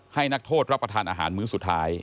นักโทษรับประทานอาหารมื้อสุดท้าย